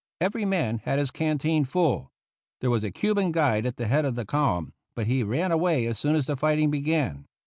Every man had his canteen full. There was a Cuban guide at the head of the column, but he ran away as soon as the fighting began.